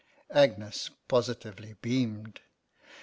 Agnes positively beamed.